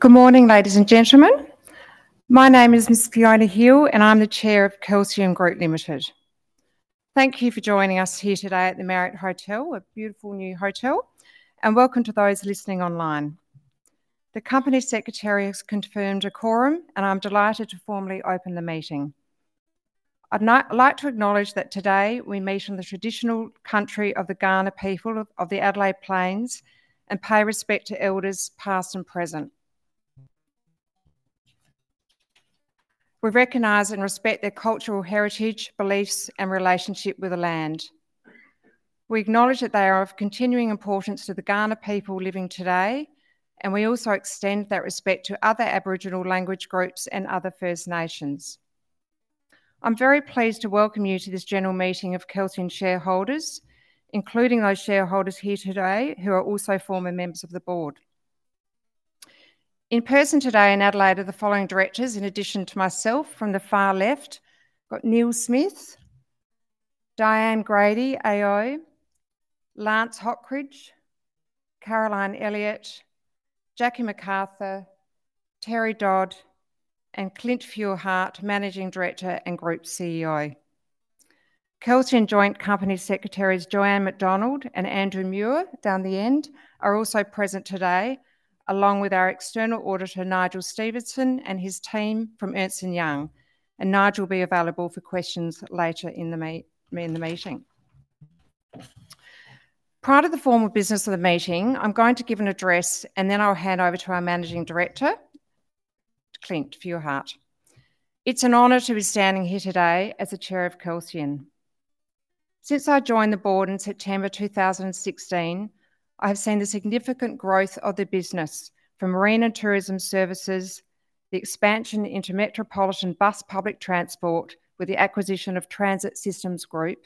Good morning, ladies and gentlemen. My name is Ms. Fiona Hele, and I'm the Chair of Kelsian Group Limited. Thank you for joining us here today at the Marriott Hotel, a beautiful new hotel, and welcome to those listening online. The company secretary has confirmed a quorum, and I'm delighted to formally open the meeting. I'd like to acknowledge that today we meet in the traditional country of the Kaurna people of the Adelaide Plains, and pay respect to elders, past and present. We recognize and respect their cultural heritage, beliefs, and relationship with the land. We acknowledge that they are of continuing importance to the Kaurna people living today, and we also extend that respect to other Aboriginal language groups and other First Nations. I'm very pleased to welcome you to this general meeting of Kelsian shareholders, including those shareholders here today who are also former members of the board. In person today in Adelaide are the following directors, in addition to myself, from the far left, we've got Neil Smith, Diane Grady, AO, Lance Hockridge, Caroline Elliott, Jackie McArthur, Terry Dodd, and Clint Feuerherdt, Managing Director and Group CEO. Kelsian's joint company secretaries, Joanne McDonald and Andrew Muir, down the end, are also present today, along with our external auditor, Nigel Stevenson, and his team from Ernst & Young, and Nigel will be available for questions later in the meeting. Prior to the formal business of the meeting, I'm going to give an address, and then I'll hand over to our managing director, Clint Feuerherdt. It's an honor to be standing here today as the chair of Kelsian. Since I joined the board in September 2016, I have seen the significant growth of the business from marine and tourism services, the expansion into metropolitan bus public transport with the acquisition of Transit Systems Group,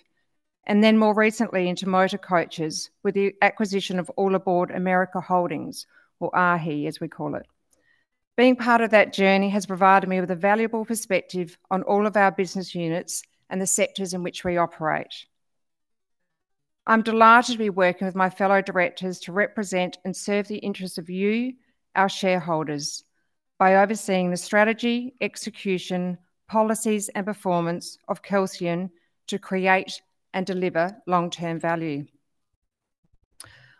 and then more recently into motor coaches with the acquisition of All Aboard America Holdings, or AAAH, as we call it. Being part of that journey has provided me with a valuable perspective on all of our business units and the sectors in which we operate. I'm delighted to be working with my fellow directors to represent and serve the interests of you, our shareholders, by overseeing the strategy, execution, policies, and performance of Kelsian to create and deliver long-term value.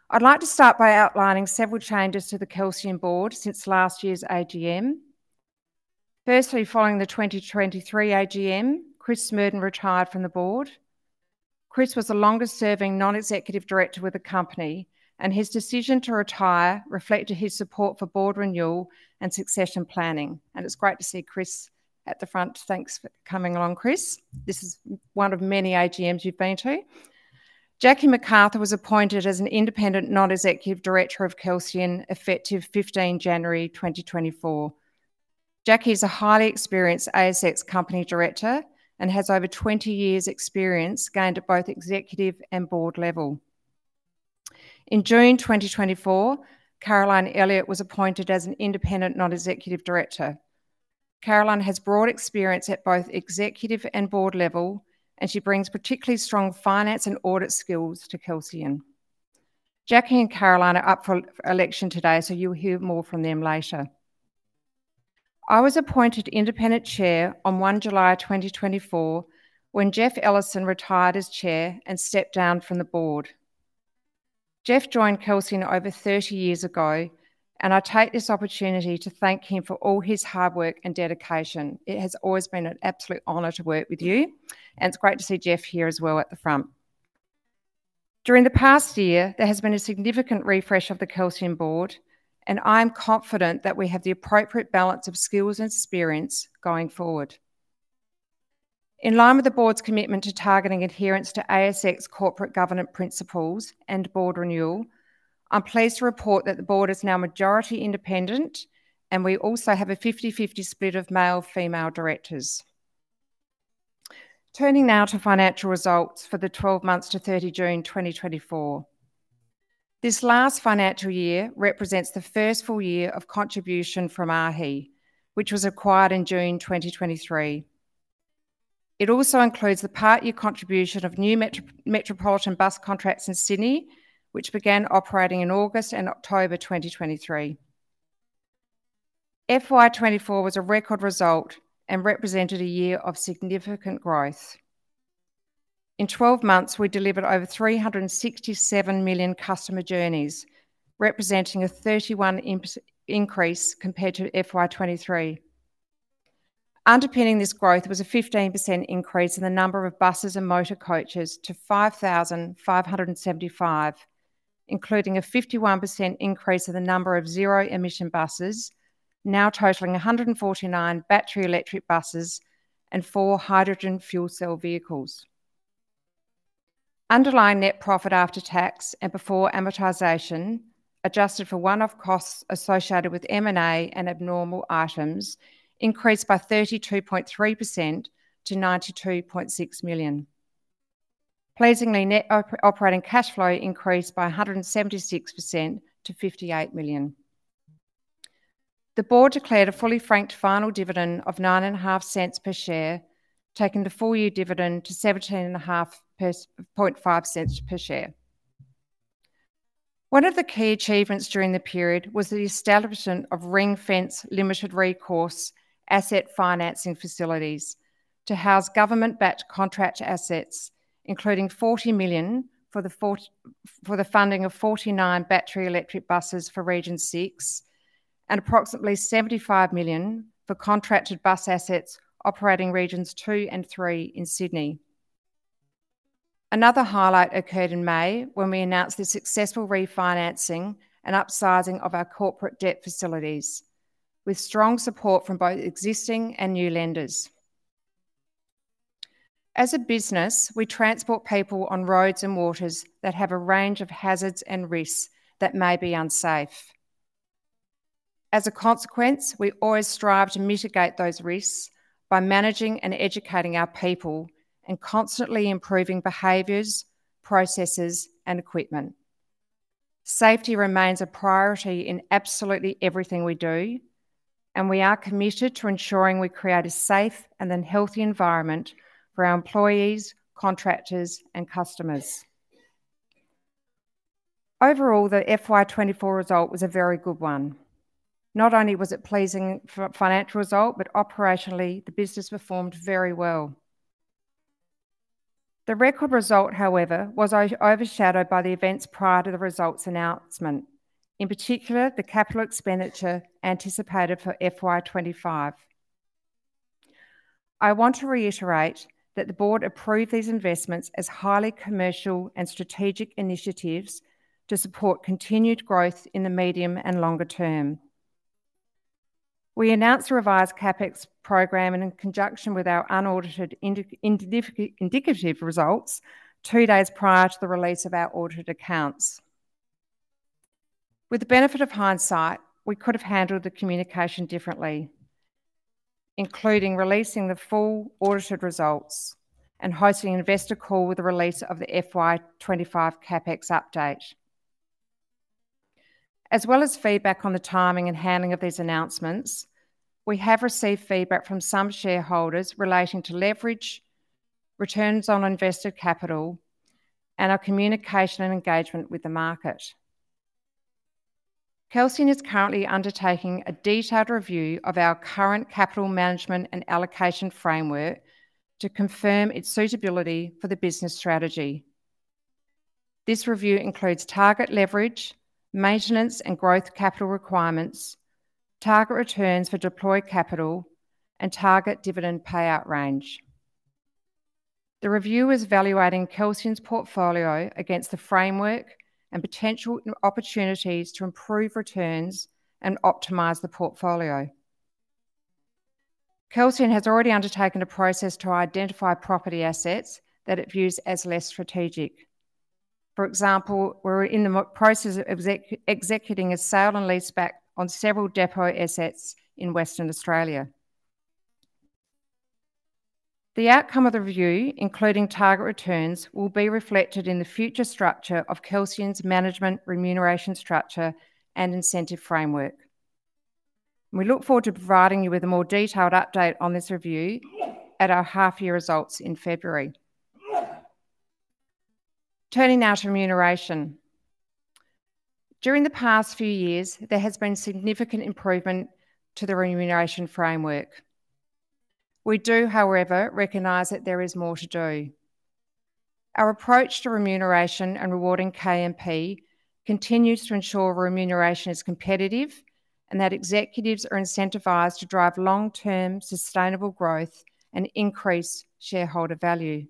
I'd like to start by outlining several changes to the Kelsian board since last year's AGM. Firstly, following the 2023 AGM, Chris Smerdon retired from the board. Chris was the longest-serving non-executive director with the company, and his decision to retire reflected his support for board renewal and succession planning, and it's great to see Chris at the front. Thanks for coming along, Chris. This is one of many AGMs you've been to. Jackie McArthur was appointed as an independent non-executive director of Kelsian, effective fifteenth January 2024. Jackie is a highly experienced ASX company director and has over twenty years' experience gained at both executive and board level. In June 2024, Caroline Elliott was appointed as an independent non-executive director. Caroline has broad experience at both executive and board level, and she brings particularly strong finance and audit skills to Kelsian. Jackie and Caroline are up for election today, so you'll hear more from them later. I was appointed Independent Chair on 1st July 2024, when Jeff Ellison retired as Chair and stepped down from the board. Jeff joined Kelsian over thirty years ago, and I take this opportunity to thank him for all his hard work and dedication. It has always been an absolute honor to work with you, and it's great to see Jeff here as well at the front. During the past year, there has been a significant refresh of the Kelsian board, and I'm confident that we have the appropriate balance of skills and experience going forward. In line with the board's commitment to targeting adherence to ASX Corporate Governance Principles and board renewal, I'm pleased to report that the board is now majority independent, and we also have a 50/50 split of male, female directors. Turning now to financial results for the 12 months to 30 June 2024. This last financial year represents the first full year of contribution from AAAH, which was acquired in June 2023. It also includes the part-year contribution of new metropolitan bus contracts in Sydney, which began operating in August and October 2023. FY 2024 was a record result and represented a year of significant growth. In 12 months, we delivered over 367 million customer journeys, representing a 31% increase compared to FY 2023. Underpinning this growth was a 15% increase in the number of buses and motor coaches to 5,575, including a 51% increase in the number of zero-emission buses, now totaling 149 battery electric buses and four hydrogen fuel cell vehicles. Underlying net profit after tax and before amortization, adjusted for one-off costs associated with M&A and abnormal items, increased by 32.3% to 92.6 million. Pleasingly, net operating cash flow increased by 176% to 58 million. The board declared a fully franked final dividend of 0.095 per share, taking the full-year dividend to 0.175 per share. One of the key achievements during the period was the establishment of ring-fenced limited recourse asset financing facilities to house government-backed contract assets, including 40 million for the funding of 49 battery electric buses for Region 6, and approximately 75 million for contracted bus assets operating Regions 2 and 3 in Sydney. Another highlight occurred in May, when we announced the successful refinancing and upsizing of our corporate debt facilities, with strong support from both existing and new lenders. As a business, we transport people on roads and waters that have a range of hazards and risks that may be unsafe. As a consequence, we always strive to mitigate those risks by managing and educating our people, and constantly improving behaviors, processes, and equipment. Safety remains a priority in absolutely everything we do, and we are committed to ensuring we create a safe and then healthy environment for our employees, contractors, and customers. Overall, the FY twenty-four result was a very good one. Not only was it pleasing financial result, but operationally, the business performed very well. The record result, however, was overshadowed by the events prior to the results announcement, in particular, the capital expenditure anticipated for FY twenty-five. I want to reiterate that the board approved these investments as highly commercial and strategic initiatives to support continued growth in the medium and longer term. We announced a revised CapEx program, and in conjunction with our unaudited indicative results, two days prior to the release of our audited accounts. With the benefit of hindsight, we could have handled the communication differently, including releasing the full audited results and hosting an investor call with the release of the FY twenty-five CapEx update. As well as feedback on the timing and handling of these announcements, we have received feedback from some shareholders relating to leverage, returns on invested capital, and our communication and engagement with the market. Kelsian is currently undertaking a detailed review of our current capital management and allocation framework to confirm its suitability for the business strategy. This review includes target leverage, maintenance and growth capital requirements, target returns for deployed capital, and target dividend payout range. The review is evaluating Kelsian's portfolio against the framework and potential opportunities to improve returns and optimize the portfolio. Kelsian has already undertaken a process to identify property assets that it views as less strategic. For example, we're in the process of executing a sale and leaseback on several depot assets in Western Australia. The outcome of the review, including target returns, will be reflected in the future structure of Kelsian's management remuneration structure and incentive framework. We look forward to providing you with a more detailed update on this review at our half-year results in February. Turning now to remuneration. During the past few years, there has been significant improvement to the remuneration framework. We do, however, recognize that there is more to do. Our approach to remuneration and rewarding KMP continues to ensure remuneration is competitive, and that executives are incentivized to drive long-term, sustainable growth and increase shareholder value.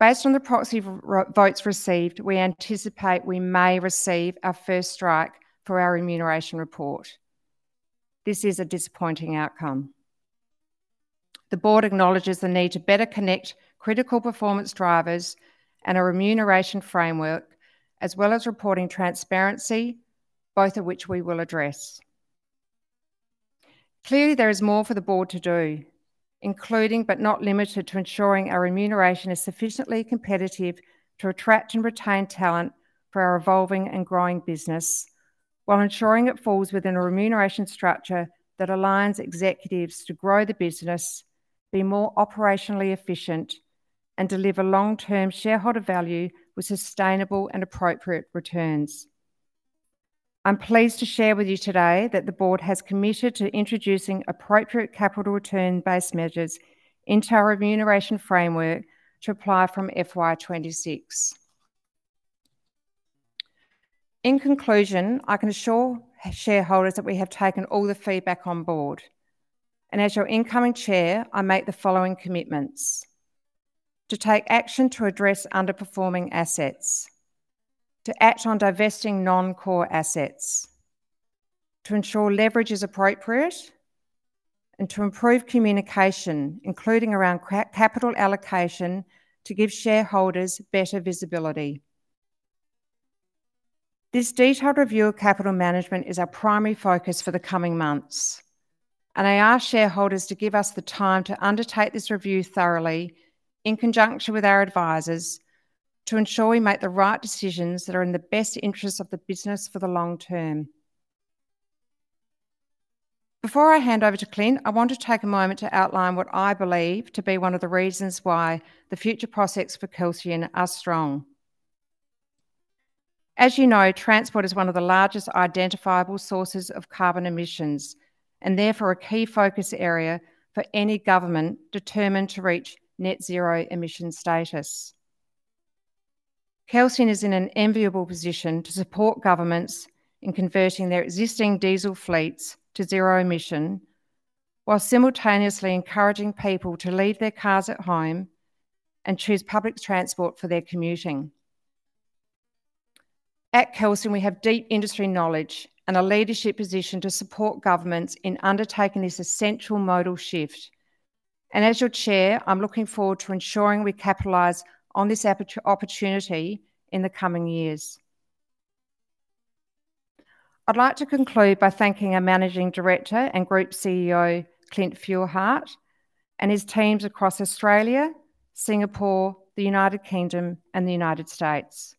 Based on the proxy votes received, we anticipate we may receive our first strike for our remuneration report. This is a disappointing outcome. The board acknowledges the need to better connect critical performance drivers and a remuneration framework, as well as reporting transparency, both of which we will address. Clearly, there is more for the board to do, including, but not limited to, ensuring our remuneration is sufficiently competitive to attract and retain talent for our evolving and growing business, while ensuring it falls within a remuneration structure that aligns executives to grow the business, be more operationally efficient, and deliver long-term shareholder value with sustainable and appropriate returns. I'm pleased to share with you today that the board has committed to introducing appropriate capital return-based measures into our remuneration framework to apply from FY 26. In conclusion, I can assure shareholders that we have taken all the feedback on board, and as your incoming Chair, I make the following commitments: to take action to address underperforming assets, to act on divesting non-core assets, to ensure leverage is appropriate, and to improve communication, including around capital allocation, to give shareholders better visibility. This detailed review of capital management is our primary focus for the coming months, and I ask shareholders to give us the time to undertake this review thoroughly, in conjunction with our advisors, to ensure we make the right decisions that are in the best interest of the business for the long term. Before I hand over to Clint, I want to take a moment to outline what I believe to be one of the reasons why the future prospects for Kelsian are strong. As you know, transport is one of the largest identifiable sources of carbon emissions, and therefore a key focus area for any government determined to reach net zero emission status. Kelsian is in an enviable position to support governments in converting their existing diesel fleets to zero emission, while simultaneously encouraging people to leave their cars at home and choose public transport for their commuting. At Kelsian, we have deep industry knowledge and a leadership position to support governments in undertaking this essential modal shift. And as your chair, I'm looking forward to ensuring we capitalize on this opportunity in the coming years. I'd like to conclude by thanking our Managing Director and Group CEO, Clint Feuerherdt, and his teams across Australia, Singapore, the United Kingdom and the United States.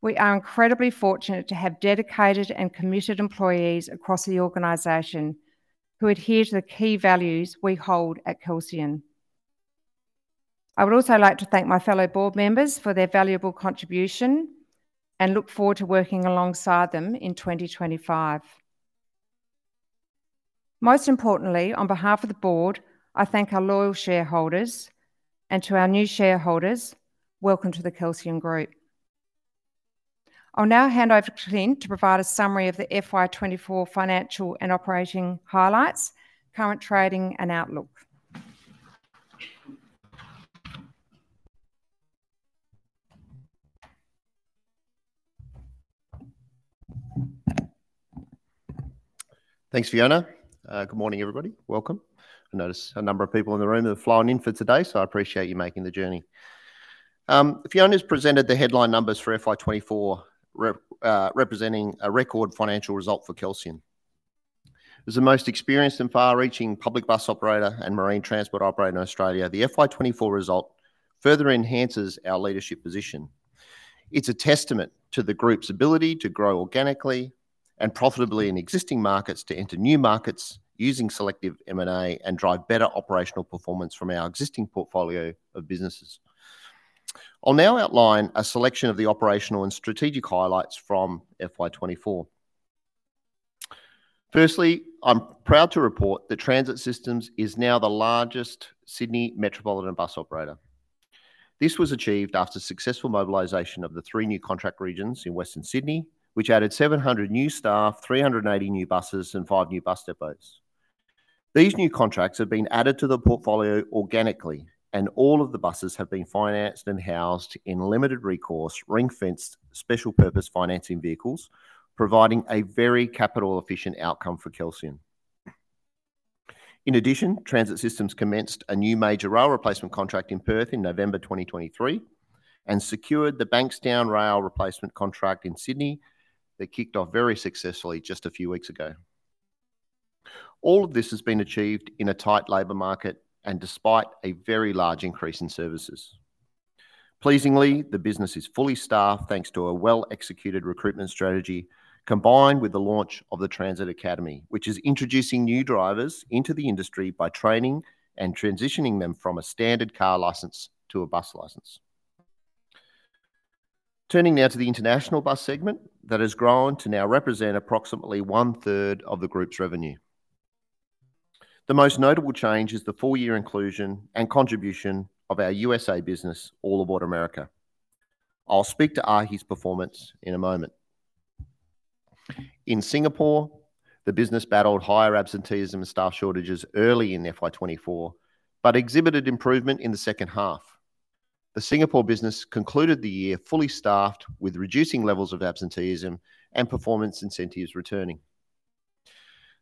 We are incredibly fortunate to have dedicated and committed employees across the organization who adhere to the key values we hold at Kelsian. I would also like to thank my fellow board members for their valuable contribution, and look forward to working alongside them in twenty twenty-five. Most importantly, on behalf of the board, I thank our loyal shareholders, and to our new shareholders, welcome to the Kelsian Group. I'll now hand over to Clint to provide a summary of the FY 24 financial and operating highlights, current trading and outlook. Thanks, Fiona. Good morning, everybody. Welcome. I notice a number of people in the room have flown in for today, so I appreciate you making the journey. Fiona's presented the headline numbers for FY 2024, representing a record financial result for Kelsian. As the most experienced and far-reaching public bus operator and marine transport operator in Australia, the FY 2024 result further enhances our leadership position. It's a testament to the group's ability to grow organically and profitably in existing markets, to enter new markets using selective M&A, and drive better operational performance from our existing portfolio of businesses. I'll now outline a selection of the operational and strategic highlights from FY 2024. Firstly, I'm proud to report that Transit Systems is now the largest Sydney metropolitan bus operator. This was achieved after successful mobilization of the three new contract regions in Western Sydney, which added 700 new staff, 380 new buses, and five new bus depots. These new contracts have been added to the portfolio organically, and all of the buses have been financed and housed in limited recourse, ring-fenced, special purpose financing vehicles, providing a very capital efficient outcome for Kelsian. In addition, Transit Systems commenced a new major rail replacement contract in Perth in November 2023 and secured the Bankstown rail replacement contract in Sydney, that kicked off very successfully just a few weeks ago. All of this has been achieved in a tight labor market and despite a very large increase in services. Pleasingly, the business is fully staffed, thanks to a well-executed recruitment strategy, combined with the launch of the Transit Academy, which is introducing new drivers into the industry by training and transitioning them from a standard car license to a bus license. Turning now to the international bus segment, that has grown to now represent approximately one-third of the group's revenue. The most notable change is the full-year inclusion and contribution of our U.S.A business, All Aboard America. I'll speak to AAAH's performance in a moment. In Singapore, the business battled higher absenteeism and staff shortages early in FY 2024, but exhibited improvement in the second half. The Singapore business concluded the year fully staffed, with reducing levels of absenteeism and performance incentives returning.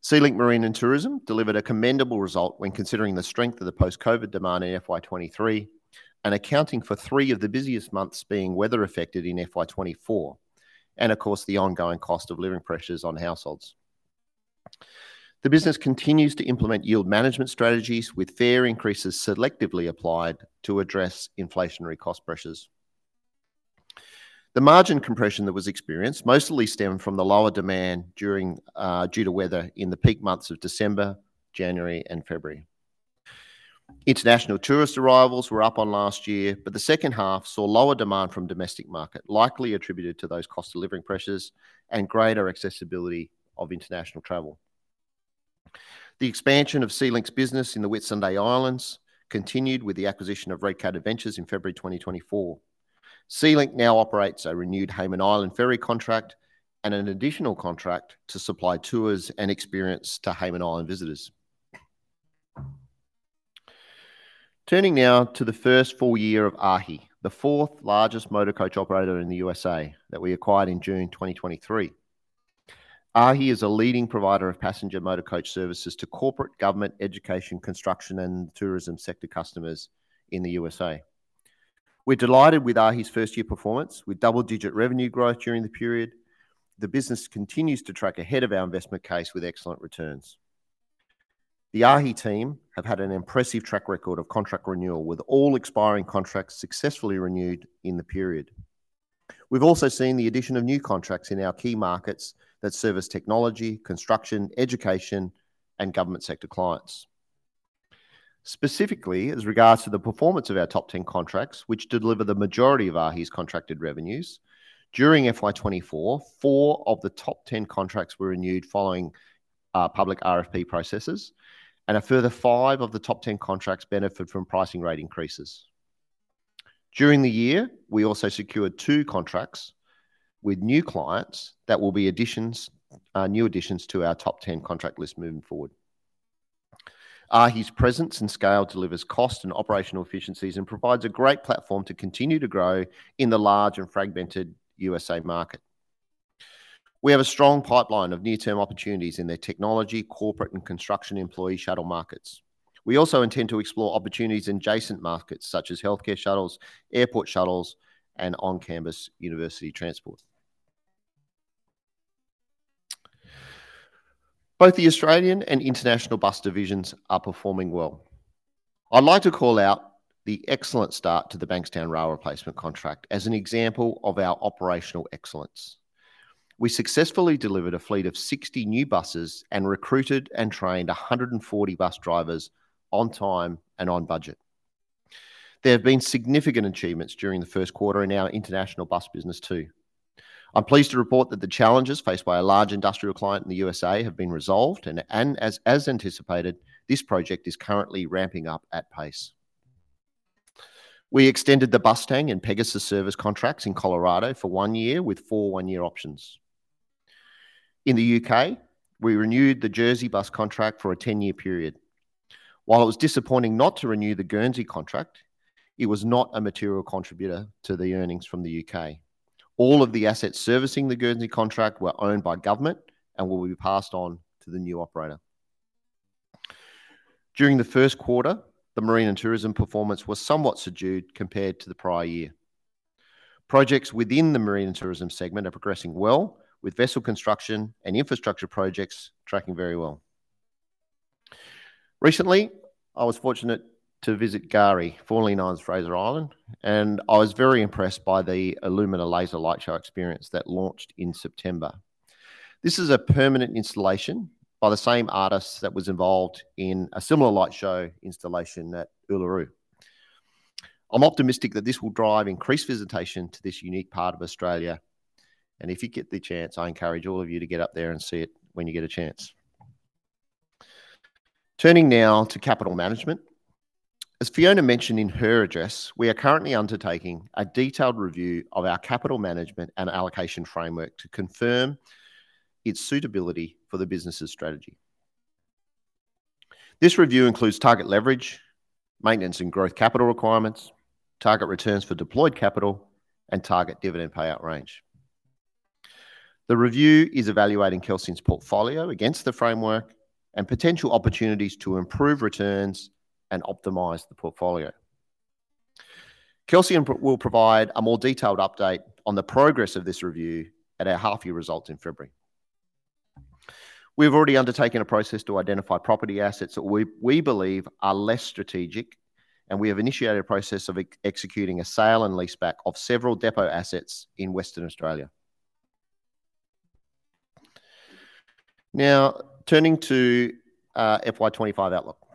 SeaLink Marine and Tourism delivered a commendable result when considering the strength of the post-COVID demand in FY 2023, and accounting for three of the busiest months being weather-affected in FY 2024, and of course, the ongoing cost of living pressures on households. The business continues to implement yield management strategies, with fare increases selectively applied to address inflationary cost pressures. The margin compression that was experienced mostly stemmed from the lower demand during, due to weather in the peak months of December, January, and February. International tourist arrivals were up on last year, but the second half saw lower demand from domestic market, likely attributed to those cost of living pressures and greater accessibility of international travel. The expansion of SeaLink's business in the Whitsunday Islands continued with the acquisition of Red Cat Adventures in February 2024. SeaLink now operates a renewed Hayman Island ferry contract and an additional contract to supply tours and experience to Hayman Island visitors. Turning now to the first full year of AAAH, the fourth largest motor coach operator in the U.S.A, that we acquired in June 2023. AAAH is a leading provider of passenger motor coach services to corporate, government, education, construction, and tourism sector customers in the U.S.A. We're delighted with AAAH's first-year performance, with double-digit revenue growth during the period. The business continues to track ahead of our investment case with excellent returns. The AAAH team have had an impressive track record of contract renewal, with all expiring contracts successfully renewed in the period. We've also seen the addition of new contracts in our key markets that service technology, construction, education, and government sector clients. Specifically, as regards to the performance of our top ten contracts, which deliver the majority of AAAH's contracted revenues, during FY 2024, four of the top ten contracts were renewed following public RFP processes, and a further five of the top ten contracts benefit from pricing rate increases. During the year, we also secured two contracts with new clients that will be additions, new additions to our top ten contract list moving forward. AAAH's presence and scale delivers cost and operational efficiencies, and provides a great platform to continue to grow in the large and fragmented U.S.A market. We have a strong pipeline of near-term opportunities in their technology, corporate, and construction employee shuttle markets. We also intend to explore opportunities in adjacent markets such as healthcare shuttles, airport shuttles, and on-campus university transport. Both the Australian and international bus divisions are performing well. I'd like to call out the excellent start to the Bankstown Rail Replacement contract as an example of our operational excellence. We successfully delivered a fleet of 60 new buses and recruited and trained 140 bus drivers on time and on budget. There have been significant achievements during the first quarter in our international bus business, too. I'm pleased to report that the challenges faced by a large industrial client in the USA have been resolved, and, as anticipated, this project is currently ramping up at pace. We extended the Bustang and Pegasus service contracts in Colorado for one year with four- one-year options. In the U.K., we renewed the Jersey bus contract for a 10-year period. While it was disappointing not to renew the Guernsey contract, it was not a material contributor to the earnings from the U.K. All of the assets servicing the Guernsey contract were owned by government and will be passed on to the new operator. During the first quarter, the marine and tourism performance was somewhat subdued compared to the prior year. Projects within the marine and tourism segment are progressing well, with vessel construction and infrastructure projects tracking very well. Recently, I was fortunate to visit K'gari, formerly known as Fraser Island, and I was very impressed by the Illumina laser light show experience that launched in September. This is a permanent installation by the same artist that was involved in a similar light show installation at Uluru. I'm optimistic that this will drive increased visitation to this unique part of Australia, and if you get the chance, I encourage all of you to get up there and see it when you get a chance. Turning now to capital management. As Fiona mentioned in her address, we are currently undertaking a detailed review of our capital management and allocation framework to confirm its suitability for the business's strategy. This review includes target leverage, maintenance and growth capital requirements, target returns for deployed capital, and target dividend payout range. The review is evaluating Kelsian's portfolio against the framework and potential opportunities to improve returns and optimize the portfolio. Kelsian will provide a more detailed update on the progress of this review at our half-year results in February. We've already undertaken a process to identify property assets that we believe are less strategic, and we have initiated a process of executing a sale and leaseback of several depot assets in Western Australia. Now, turning to FY 25 outlook.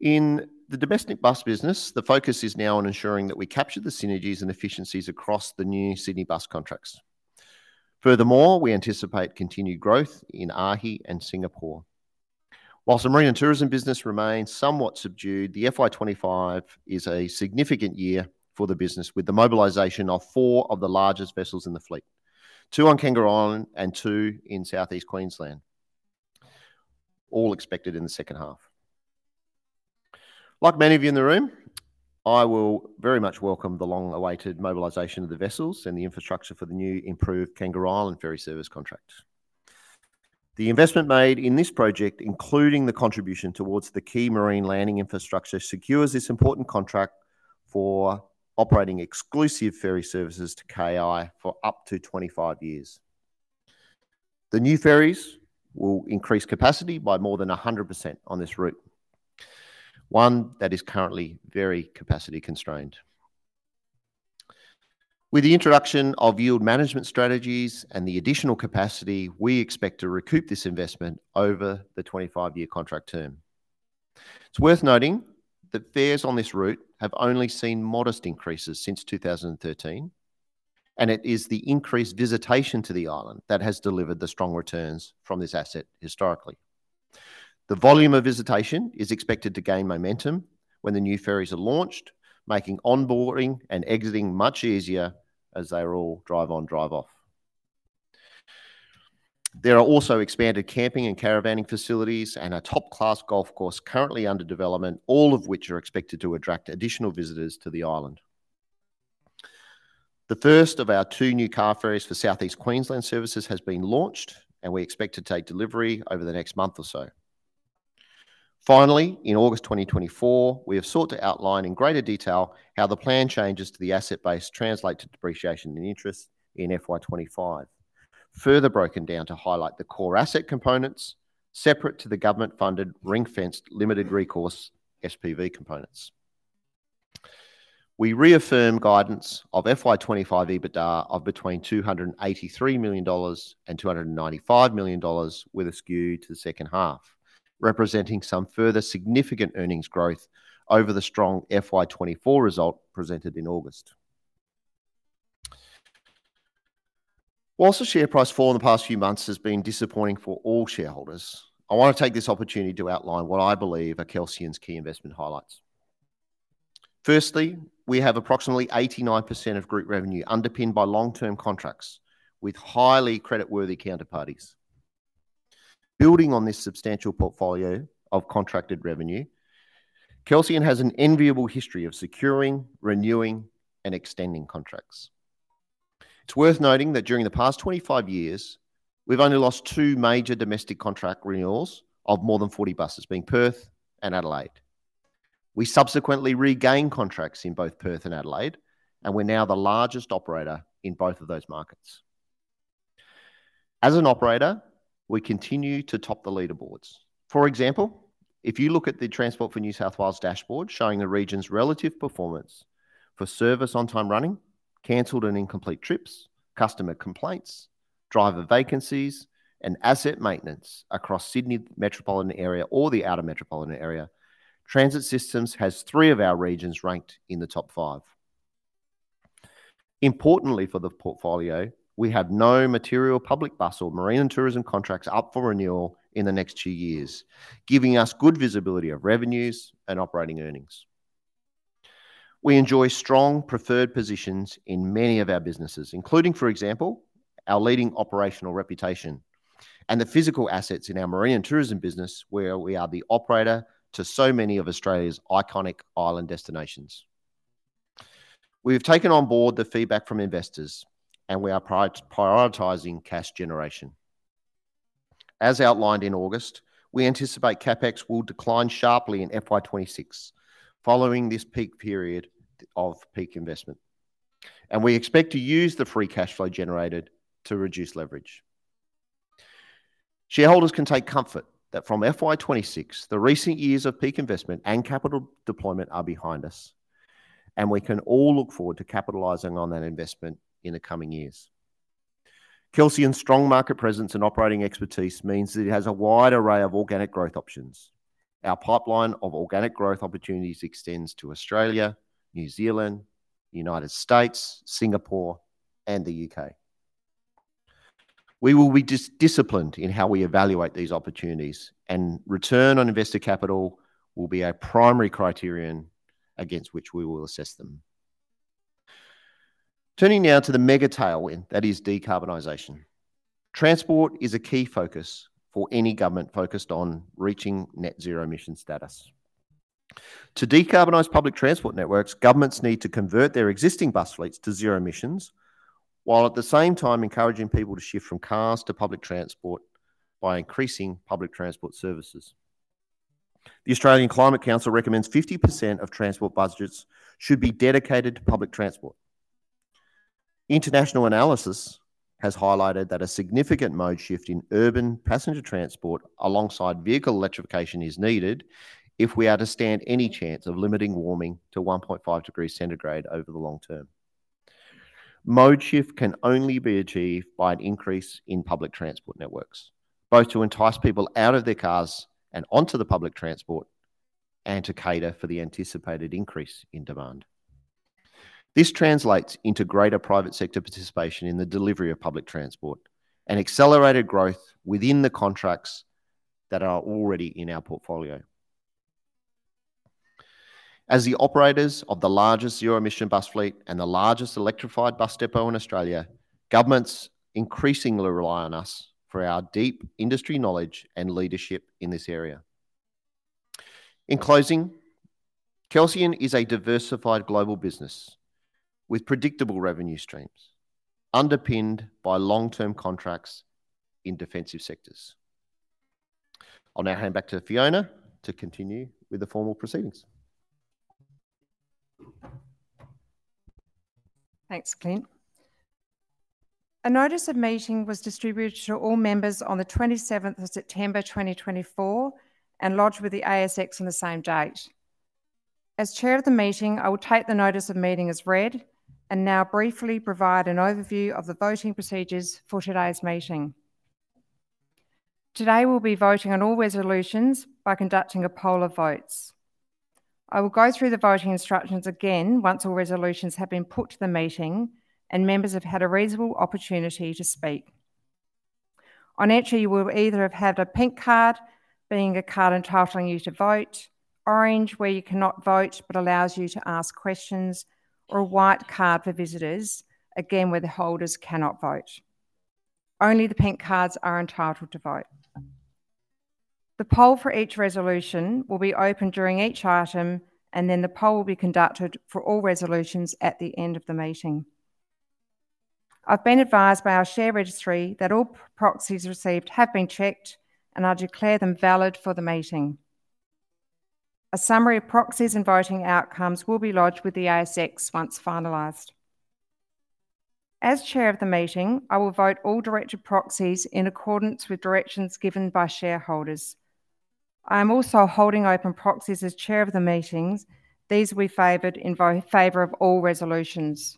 In the domestic bus business, the focus is now on ensuring that we capture the synergies and efficiencies across the new Sydney Bus contracts. Furthermore, we anticipate continued growth in AAAH and Singapore. While the marine and tourism business remains somewhat subdued, the FY 2025 is a significant year for the business, with the mobilisation of four of the largest vessels in the fleet, two on Kangaroo Island and two in South East Queensland, all expected in the second half. Like many of you in the room, I will very much welcome the long-awaited mobilisation of the vessels and the infrastructure for the new improved Kangaroo Island ferry service contract. The investment made in this project, including the contribution towards the key marine landing infrastructure, secures this important contract for operating exclusive ferry services to KI for up to 25 years. The new ferries will increase capacity by more than 100% on this route, one that is currently very capacity constrained. With the introduction of yield management strategies and the additional capacity, we expect to recoup this investment over the 25-year contract term. It's worth noting that fares on this route have only seen modest increases since 2013, and it is the increased visitation to the island that has delivered the strong returns from this asset historically. The volume of visitation is expected to gain momentum when the new ferries are launched, making onboarding and exiting much easier as they are all drive on, drive off. There are also expanded camping and caravanning facilities and a top-class golf course currently under development, all of which are expected to attract additional visitors to the island. The first of our two new car ferries for South East Queensland services has been launched, and we expect to take delivery over the next month or so. Finally, in August 2024, we have sought to outline in greater detail how the planned changes to the asset base translate to depreciation and interest in FY 2025. Further broken down to highlight the core asset components, separate to the government-funded, ring-fenced, limited recourse SPV components. We reaffirm guidance of FY 2025 EBITDA of between 283 million dollars and 295 million dollars, with a skew to the second half, representing some further significant earnings growth over the strong FY 2024 result presented in August. While the share price fall in the past few months has been disappointing for all shareholders, I want to take this opportunity to outline what I believe are Kelsian's key investment highlights. Firstly, we have approximately 89% of group revenue underpinned by long-term contracts, with highly creditworthy counterparties. Building on this substantial portfolio of contracted revenue, Kelsian has an enviable history of securing, renewing and extending contracts. It's worth noting that during the past 25 years, we've only lost two major domestic contract renewals of more than 40 buses, being Perth and Adelaide. We subsequently regained contracts in both Perth and Adelaide, and we're now the largest operator in both of those markets. As an operator, we continue to top the leaderboards. For example, if you look at the Transport for New South Wales dashboard showing the region's relative performance for service on time running, cancelled and incomplete trips, customer complaints, driver vacancies, and asset maintenance across Sydney metropolitan area or the outer metropolitan area, Transit Systems has three of our regions ranked in the top five. Importantly for the portfolio, we have no material public bus or marine and tourism contracts up for renewal in the next two years, giving us good visibility of revenues and operating earnings. We enjoy strong preferred positions in many of our businesses, including, for example, our leading operational reputation and the physical assets in our marine and tourism business, where we are the operator to so many of Australia's iconic island destinations. We have taken on board the feedback from investors and we are prioritizing cash generation. As outlined in August, we anticipate CapEx will decline sharply in FY 2026, following this peak period of peak investment, and we expect to use the free cash flow generated to reduce leverage. Shareholders can take comfort that from FY 2026, the recent years of peak investment and capital deployment are behind us, and we can all look forward to capitalizing on that investment in the coming years. Kelsian's strong market presence and operating expertise means that it has a wide array of organic growth options. Our pipeline of organic growth opportunities extends to Australia, New Zealand, United States, Singapore and the U.K. We will be disciplined in how we evaluate these opportunities, and return on investor capital will be our primary criterion against which we will assess them. Turning now to the mega tailwind, that is decarbonization. Transport is a key focus for any government focused on reaching net zero emission status. To decarbonize public transport networks, governments need to convert their existing bus fleets to zero emissions, while at the same time encouraging people to shift from cars to public transport by increasing public transport services. The Australian Climate Council recommends 50% of transport budgets should be dedicated to public transport. International analysis has highlighted that a significant mode shift in urban passenger transport, alongside vehicle electrification, is needed if we are to stand any chance of limiting warming to 1.5 degrees centigrade over the long term. Mode shift can only be achieved by an increase in public transport networks, both to entice people out of their cars and onto the public transport, and to cater for the anticipated increase in demand. This translates into greater private sector participation in the delivery of public transport and accelerated growth within the contracts that are already in our portfolio. As the operators of the largest zero-emission bus fleet and the largest electrified bus depot in Australia, governments increasingly rely on us for our deep industry knowledge and leadership in this area. In closing, Kelsian is a diversified global business with predictable revenue streams, underpinned by long-term contracts in defensive sectors. I'll now hand back to Fiona to continue with the formal proceedings. Thanks, Clint. A notice of meeting was distributed to all members on the 27th of September 2024, and lodged with the ASX on the same date. As Chair of the meeting, I will take the notice of meeting as read, and now briefly provide an overview of the voting procedures for today's meeting. Today, we'll be voting on all resolutions by conducting a poll of votes. I will go through the voting instructions again once all resolutions have been put to the meeting and members have had a reasonable opportunity to speak. On entry, you will either have had a pink card, being a card entitling you to vote, orange, where you cannot vote, but allows you to ask questions, or a white card for visitors, again, where the holders cannot vote. Only the pink cards are entitled to vote. The poll for each resolution will be open during each item, and then the poll will be conducted for all resolutions at the end of the meeting. I've been advised by our share registry that all proxies received have been checked, and I declare them valid for the meeting. A summary of proxies and voting outcomes will be lodged with the ASX once finalized. As Chair of the meeting, I will vote all directed proxies in accordance with directions given by shareholders. I am also holding open proxies as chair of the meetings. These will be favored in favor of all resolutions.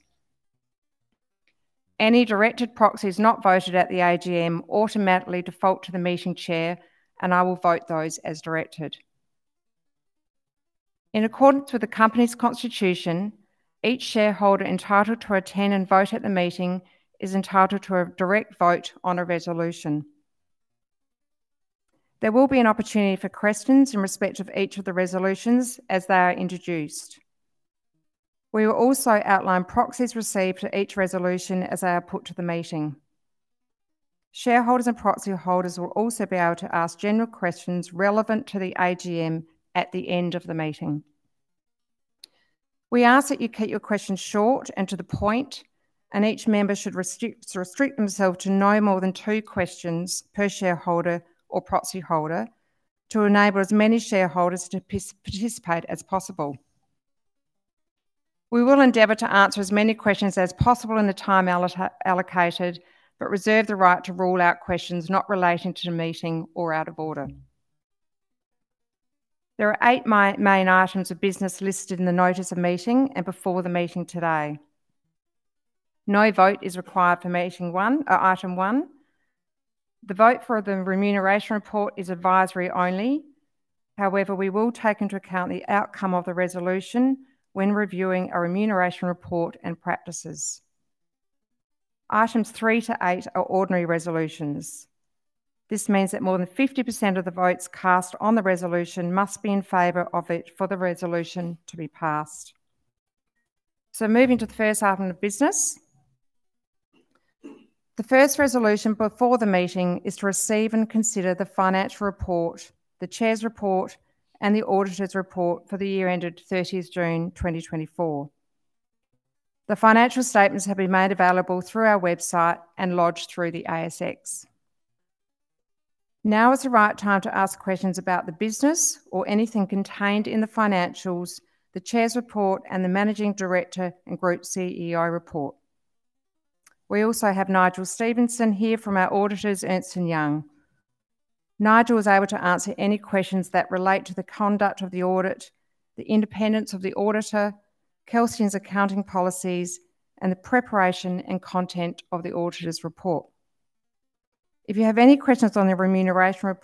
Any directed proxies not voted at the AGM automatically default to the meeting Chair, and I will vote those as directed. In accordance with the company's constitution, each shareholder entitled to attend and vote at the meeting is entitled to a direct vote on a resolution. There will be an opportunity for questions in respect of each of the resolutions as they are introduced. We will also outline proxies received for each resolution as they are put to the meeting. Shareholders and proxy holders will also be able to ask general questions relevant to the AGM at the end of the meeting. We ask that you keep your questions short and to the point, and each member should restrict themselves to no more than two questions per shareholder or proxy holder, to enable as many shareholders to participate as possible. We will endeavor to answer as many questions as possible in the time allocated, but reserve the right to rule out questions not relating to the meeting or out of order. There are eight main items of business listed in the notice of meeting and before the meeting today. No vote is required for meeting one, item one. The vote for the remuneration report is advisory only. However, we will take into account the outcome of the resolution when reviewing our remuneration report and practices. Items three to eight are ordinary resolutions. This means that more than 50% of the votes cast on the resolution must be in favor of it for the resolution to be passed. So moving to the first item of business, the first resolution before the meeting is to receive and consider the financial report, the chair's report, and the auditor's report for the year ended 30th June 2024. The financial statements have been made available through our website and lodged through the ASX. Now is the right time to ask questions about the business or anything contained in the financials, the chair's report, and the managing director and group CEO report. We also have Nigel Stevenson here from our auditors, Ernst & Young. Nigel is able to answer any questions that relate to the conduct of the audit, the independence of the auditor, Kelsian's accounting policies, and the preparation and content of the auditor's report. If you have any questions on the remuneration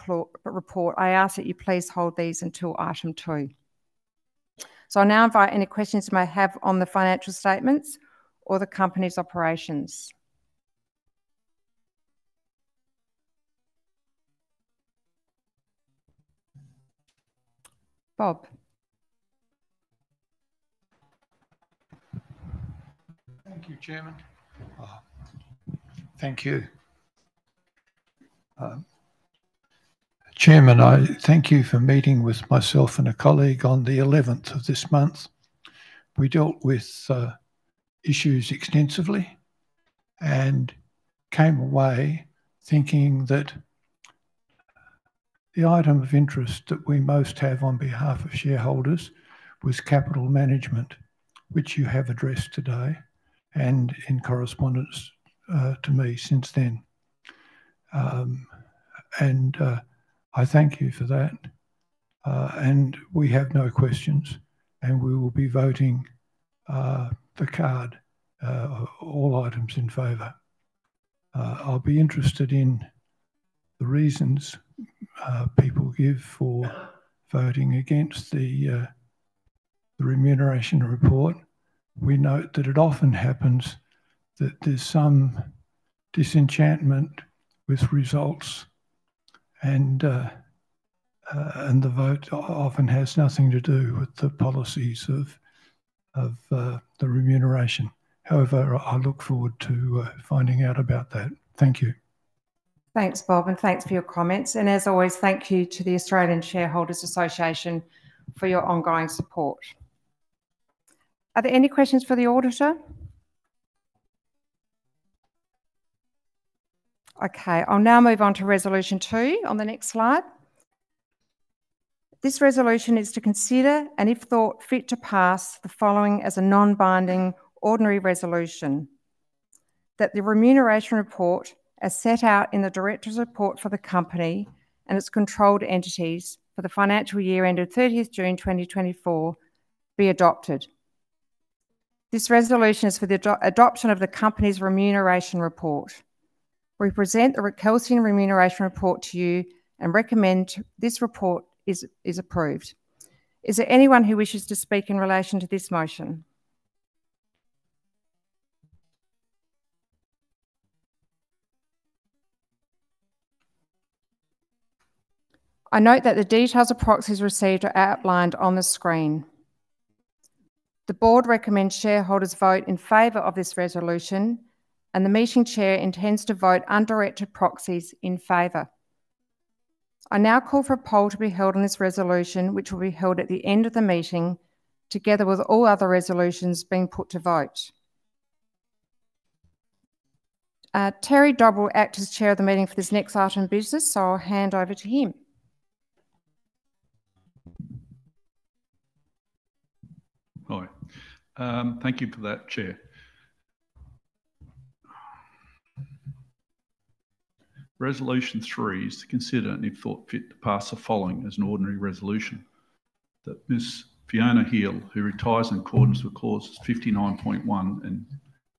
report, I ask that you please hold these until item two. So I now invite any questions you may have on the financial statements or the company's operations. Bob. Thank you, Chairman. Thank you. Chairman, I thank you for meeting with myself and a colleague on the eleventh of this month. We dealt with issues extensively and came away thinking that the item of interest that we most have on behalf of shareholders was capital management, which you have addressed today and in correspondence to me since then, and I thank you for that, and we have no questions, and we will be voting the card all items in favor. I'll be interested in the reasons people give for voting against the remuneration report. We note that it often happens that there's some disenchantment with results, and the vote often has nothing to do with the policies of the remuneration. However, I look forward to finding out about that. Thank you. Thanks, Bob, and thanks for your comments. And as always, thank you to the Australian Shareholders Association for your ongoing support. Are there any questions for the auditor? Okay, I'll now move on to resolution two on the next slide. This resolution is to consider, and if thought fit to pass, the following as a non-binding ordinary resolution: That the remuneration report, as set out in the directors' report for the company and its controlled entities for the financial year ended thirtieth June 2024, be adopted. This resolution is for the adoption of the company's remuneration report. We present the Kelsian remuneration report to you and recommend this report is approved. Is there anyone who wishes to speak in relation to this motion? I note that the details of proxies received are outlined on the screen. The board recommends shareholders vote in favor of this resolution, and the meeting chair intends to vote undirected proxies in favor. I now call for a poll to be held on this resolution, which will be held at the end of the meeting, together with all other resolutions being put to vote. Terry Dodd will act as chair of the meeting for this next item of business, so I'll hand over to him. Hi. Thank you for that, Chair. Resolution three is to consider, and if thought fit, to pass the following as an ordinary resolution, that Ms. Fiona Hele, who retires in accordance with Clauses 59.1 and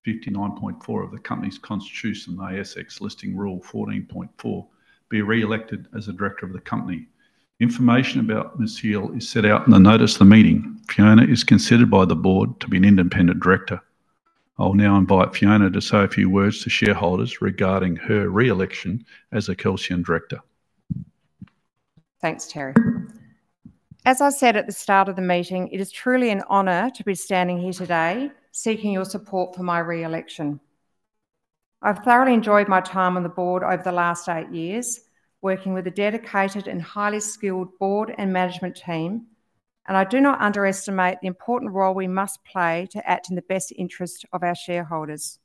59.4 of the company's constitution, ASX Listing Rule 14.4, be re-elected as a director of the company. Information about Ms. Hele is set out in the notice of the meeting. Fiona is considered by the board to be an independent director. I'll now invite Fiona to say a few words to shareholders regarding her re-election as a Kelsian director. Thanks, Terry. As I said at the start of the meeting, it is truly an honor to be standing here today seeking your support for my re-election. I've thoroughly enjoyed my time on the board over the last eight years, working with a dedicated and highly skilled board and management team, and I do not underestimate the important role we must play to act in the best interest of our shareholders.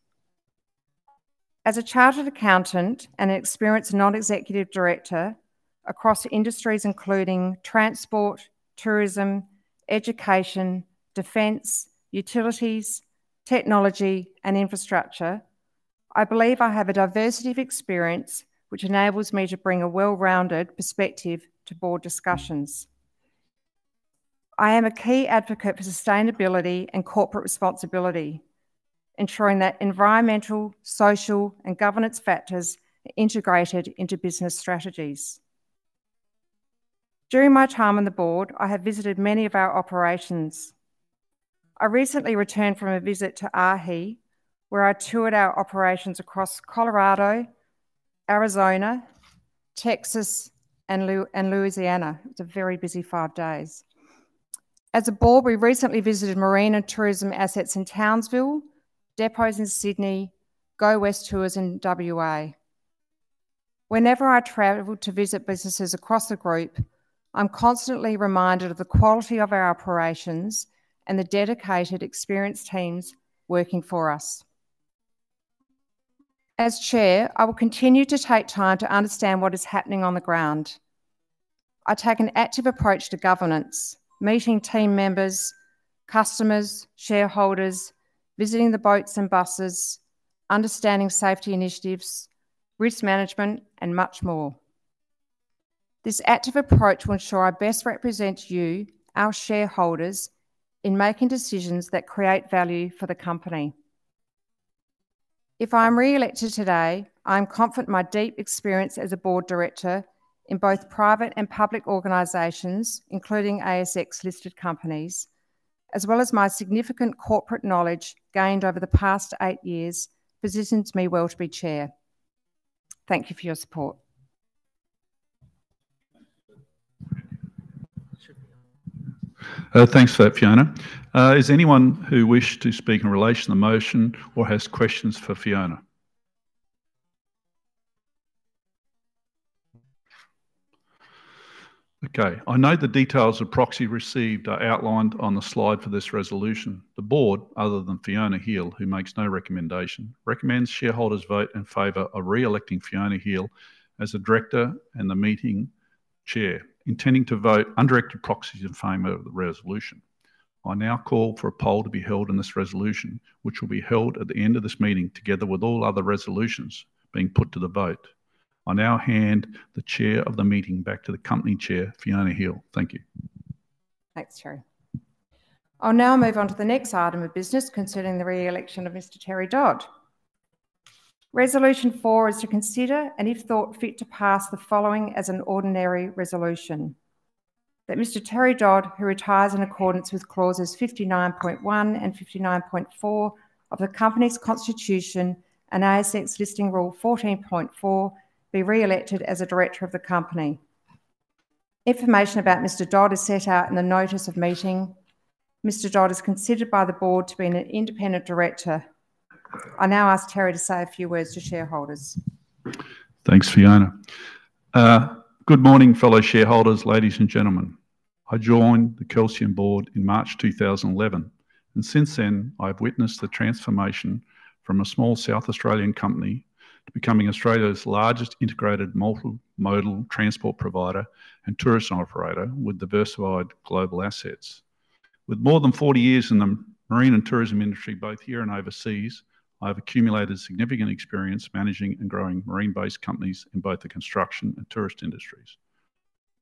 As a chartered accountant and an experienced non-executive director across industries including transport, tourism, education, defense, utilities, technology, and infrastructure, I believe I have a diversity of experience which enables me to bring a well-rounded perspective to board discussions. I am a key advocate for sustainability and corporate responsibility, ensuring that environmental, social, and governance factors are integrated into business strategies. During my time on the board, I have visited many of our operations. I recently returned from a visit to AAAH, where I toured our operations across Colorado, Arizona, Texas, and Louisiana. It was a very busy five days. As a board, we recently visited marine and tourism assets in Townsville, depots in Sydney, Go West Tours in WA. Whenever I travel to visit businesses across the group, I'm constantly reminded of the quality of our operations and the dedicated, experienced teams working for us. As chair, I will continue to take time to understand what is happening on the ground. I take an active approach to governance, meeting team members, customers, shareholders, visiting the boats and buses, understanding safety initiatives, risk management, and much more. This active approach will ensure I best represent you, our shareholders, in making decisions that create value for the company. If I am re-elected today, I am confident my deep experience as a board director in both private and public organizations, including ASX-listed companies, as well as my significant corporate knowledge gained over the past eight years, positions me well to be Chair. Thank you for your support. Thanks for that, Fiona. Is anyone who wished to speak in relation to the motion or has questions for Fiona? Okay, I note the details of proxy received are outlined on the slide for this resolution. The board, other than Fiona Hele, who makes no recommendation, recommends shareholders vote in favor of re-electing Fiona Hele as a director and the meeting chair, intending to vote undirected proxies in favor of the resolution. I now call for a poll to be held on this resolution, which will be held at the end of this meeting, together with all other resolutions being put to the vote. I now hand the chair of the meeting back to the company chair, Fiona Hele. Thank you. Thanks, Terry. I'll now move on to the next item of business concerning the re-election of Mr. Terry Dodd. Resolution four is to consider, and if thought fit, to pass the following as an ordinary resolution, that Mr. Terry Dodd, who retires in accordance with Clauses 59.1 and 59.4 of the company's constitution and ASX Listing Rule 14.4, be re-elected as a director of the company. Information about Mr. Dodd is set out in the notice of meeting. Mr. Dodd is considered by the board to be an independent director. I now ask Terry to say a few words to shareholders. Thanks, Fiona. Good morning, fellow shareholders, ladies and gentlemen. I joined the Kelsian board in March 2011, and since then, I've witnessed the transformation from a small South Australian company to becoming Australia's largest integrated multi-modal transport provider and tourism operator, with diversified global assets. With more than forty years in the marine and tourism industry, both here and overseas, I've accumulated significant experience managing and growing marine-based companies in both the construction and tourist industries.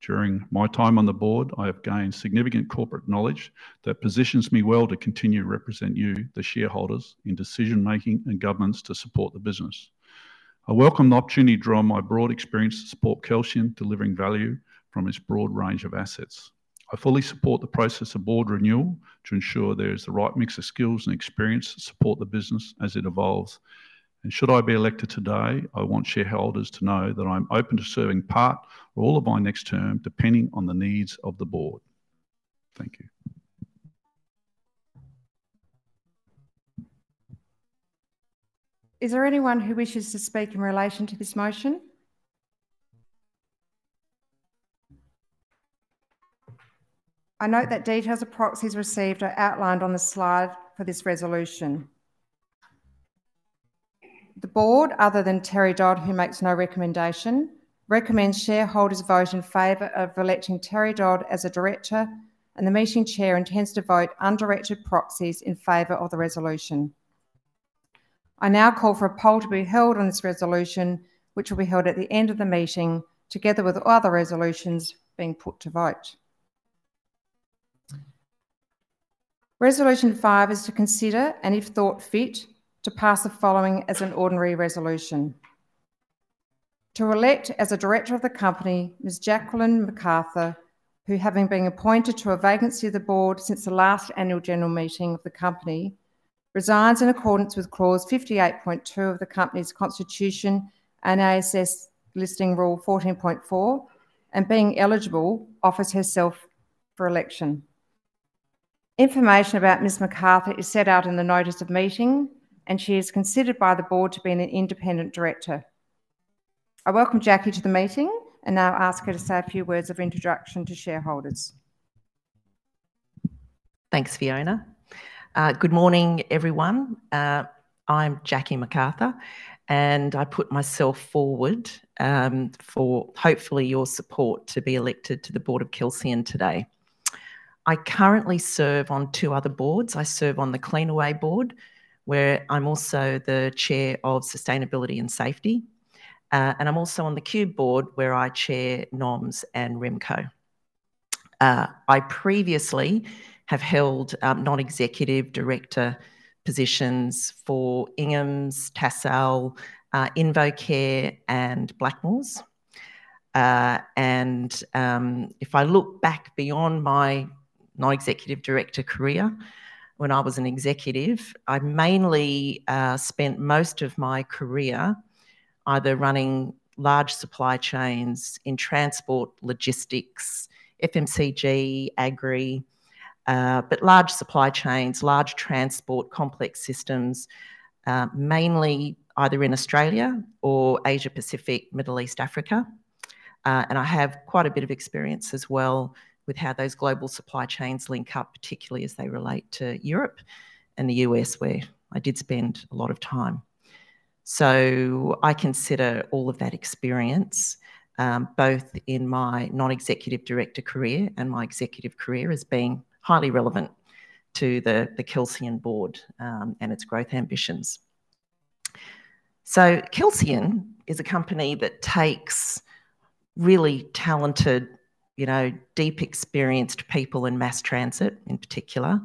During my time on the board, I have gained significant corporate knowledge that positions me well to continue to represent you, the shareholders, in decision-making and governance to support the business. I welcome the opportunity to draw on my broad experience to support Kelsian delivering value from its broad range of assets. I fully support the process of board renewal to ensure there is the right mix of skills and experience to support the business as it evolves. And should I be elected today, I want shareholders to know that I'm open to serving part or all of my next term, depending on the needs of the board. Thank you. ... Is there anyone who wishes to speak in relation to this motion? I note that details of proxies received are outlined on the slide for this resolution. The board, other than Terry Dodd, who makes no recommendation, recommends shareholders vote in favor of electing Terry Dodd as a director, and the meeting chair intends to vote undirected proxies in favor of the resolution. I now call for a poll to be held on this resolution, which will be held at the end of the meeting, together with other resolutions being put to vote. Resolution five is to consider, and if thought fit, to pass the following as an ordinary resolution: To elect as a director of the company, Ms. Jacqueline McArthur, who, having been appointed to a vacancy of the board since the last annual general meeting of the company, resigns in accordance with Clause 58.2 of the company's constitution and ASX Listing Rule 14.4, and being eligible, offers herself for election. Information about Ms. McArthur is set out in the notice of meeting, and she is considered by the board to be an independent director. I welcome Jackie to the meeting, and now ask her to say a few words of introduction to shareholders. Thanks, Fiona. Good morning, everyone. I'm Jackie McArthur, and I put myself forward for hopefully your support to be elected to the board of Kelsian today. I currently serve on two other boards. I serve on the Cleanaway board, where I'm also the chair of Sustainability and Safety, and I'm also on the Qube board, where I chair Noms and RemCo. I previously have held non-executive director positions for Inghams, Tassal, InvoCare, and Blackmores, and if I look back beyond my non-executive director career, when I was an executive, I mainly spent most of my career either running large supply chains in transport, logistics, FMCG, agri, but large supply chains, large transport complex systems, mainly either in Australia or Asia Pacific, Middle East, Africa. And I have quite a bit of experience as well with how those global supply chains link up, particularly as they relate to Europe and the U.S.A, where I did spend a lot of time. So I consider all of that experience, both in my non-executive director career and my executive career, as being highly relevant to the Kelsian board, and its growth ambitions. So Kelsian is a company that takes really talented, you know, deep, experienced people in mass transit, in particular,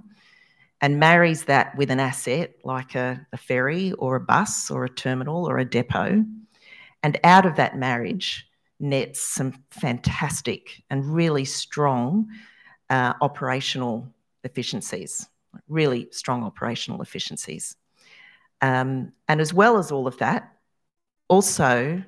and marries that with an asset like a ferry or a bus or a terminal or a depot, and out of that marriage, nets some fantastic and really strong operational efficiencies. and as well as all of that, also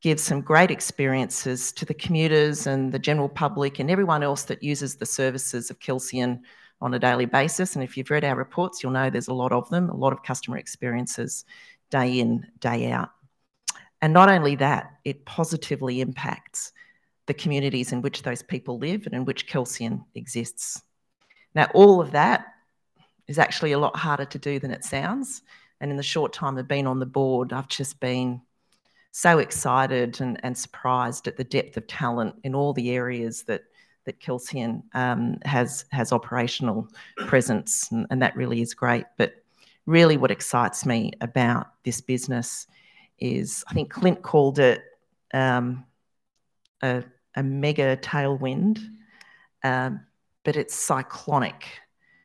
gives some great experiences to the commuters and the general public and everyone else that uses the services of Kelsian on a daily basis, and if you've read our reports, you'll know there's a lot of them, a lot of customer experiences, day in, day out, and not only that, it positively impacts the communities in which those people live and in which Kelsian exists. Now, all of that is actually a lot harder to do than it sounds, and in the short time I've been on the board, I've just been so excited and surprised at the depth of talent in all the areas that Kelsian has operational presence, and that really is great, but really, what excites me about this business is... I think Clint called it a mega tailwind, but it's cyclonic,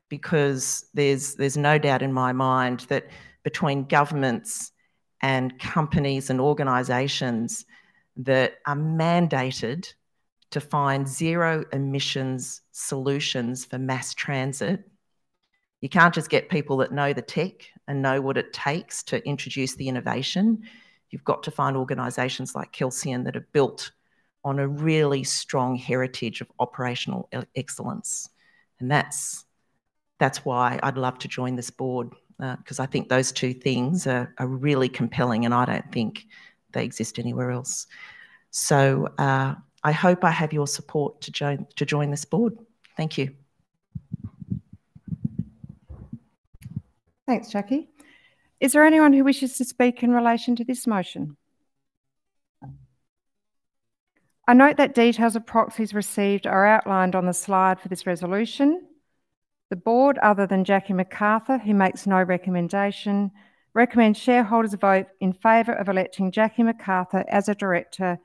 because there's no doubt in my mind that between governments and companies and organizations that are mandated to find zero emissions solutions for mass transit, you can't just get people that know the tech and know what it takes to introduce the innovation. You've got to find organizations like Kelsian that are built on a really strong heritage of operational excellence, and that's why I'd love to join this board, 'cause I think those two things are really compelling, and I don't think they exist anywhere else, so I hope I have your support to join this board. Thank you. Thanks, Jackie. Is there anyone who wishes to speak in relation to this motion? I note that details of proxies received are outlined on the slide for this resolution. The board, other than Jackie McArthur, who makes no recommendation, recommends shareholders vote in favor of electing Jackie McArthur as a director,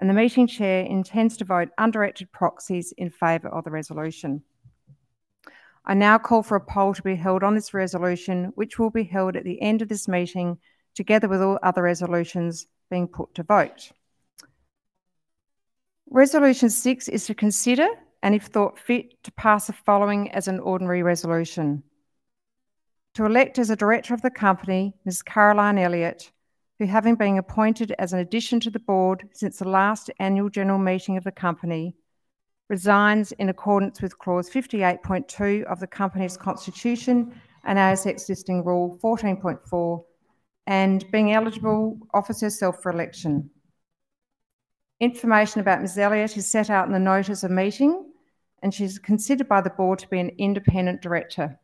and the meeting chair intends to vote undirected proxies in favor of the resolution. I now call for a poll to be held on this resolution, which will be held at the end of this meeting, together with all other resolutions being put to vote. Resolution six is to consider, and if thought fit, to pass the following as an ordinary resolution: To elect as a director of the company, Ms. Caroline Elliott, who, having been appointed as an addition to the board since the last annual general meeting of the company-... Resigns in accordance with Clause 58.2 of the company's constitution, and ASX Listing Rule 14.4, and being eligible, offers herself for election. Information about Ms. Elliott is set out in the notice of meeting, and she's considered by the board to be an independent director.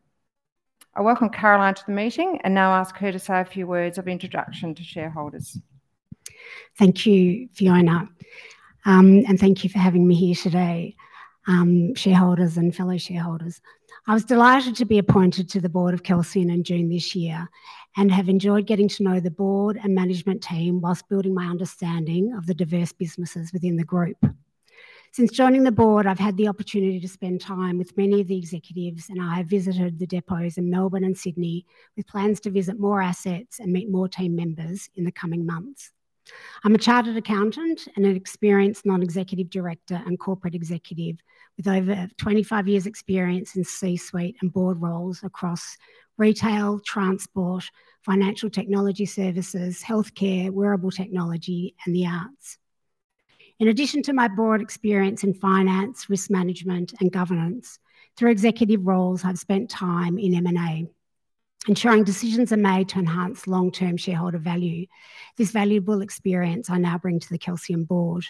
I welcome Caroline to the meeting, and now ask her to say a few words of introduction to shareholders. Thank you, Fiona, and thank you for having me here today, shareholders and fellow shareholders. I was delighted to be appointed to the board of Kelsian in June this year, and have enjoyed getting to know the board and management team while building my understanding of the diverse businesses within the group. Since joining the board, I've had the opportunity to spend time with many of the executives, and I have visited the depots in Melbourne and Sydney, with plans to visit more assets and meet more team members in the coming months. I'm a chartered accountant and an experienced non-executive director and corporate executive, with over twenty-five years' experience in C-suite and board roles across retail, transport, financial technology services, healthcare, wearable technology, and the arts. In addition to my broad experience in finance, risk management, and governance, through executive roles, I've spent time in M&A, ensuring decisions are made to enhance long-term shareholder value. This valuable experience I now bring to the Kelsian board.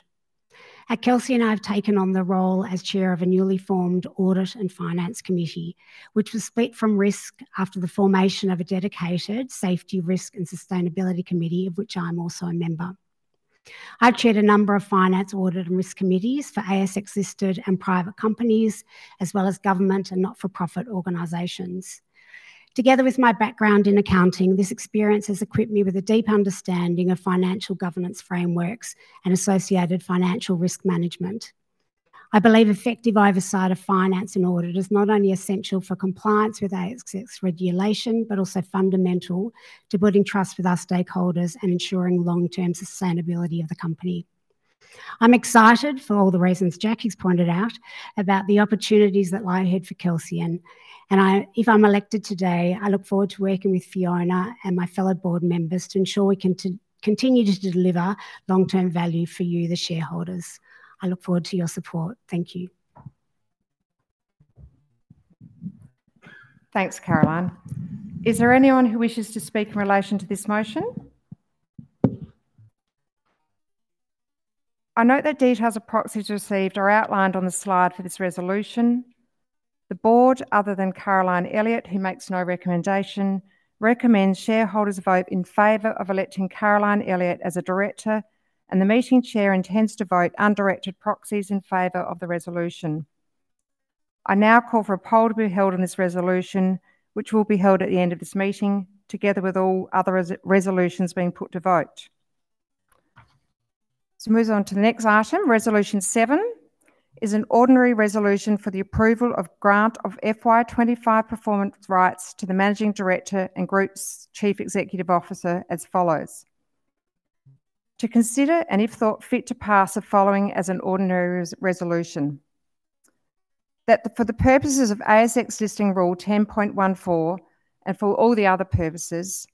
At Kelsian, I've taken on the role as chair of a newly formed audit and finance committee, which was split from risk after the formation of a dedicated safety, risk, and sustainability committee, of which I'm also a member. I've chaired a number of finance, audit, and risk committees for ASX-listed and private companies, as well as government and not-for-profit organizations. Together with my background in accounting, this experience has equipped me with a deep understanding of financial governance frameworks and associated financial risk management. I believe effective oversight of finance and audit is not only essential for compliance with ASX regulation, but also fundamental to building trust with our stakeholders and ensuring long-term sustainability of the company. I'm excited for all the reasons Jackie's pointed out about the opportunities that lie ahead for Kelsian, and I if I'm elected today, I look forward to working with Fiona and my fellow board members to ensure we continue to deliver long-term value for you, the shareholders. I look forward to your support. Thank you. Thanks, Caroline. Is there anyone who wishes to speak in relation to this motion? I note that details of proxies received are outlined on the slide for this resolution. The board, other than Caroline Elliott, who makes no recommendation, recommends shareholders vote in favor of electing Caroline Elliott as a director, and the meeting chair intends to vote undirected proxies in favor of the resolution. I now call for a poll to be held on this resolution, which will be held at the end of this meeting, together with all other resolutions being put to vote. So move on to the next item. Resolution seven is an ordinary resolution for the approval of grant of FY 25 performance rights to the Managing Director and Group Chief Executive Officer as follows: To consider, and if thought fit to pass, the following as an ordinary resolution. That for the purposes of ASX Listing Rule 10.14, and for all the other purposes,